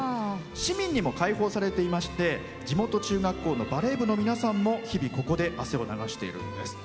市民にも開放されていまして地元中学校のバレー部の皆さんも日々ここで汗を流しているんです。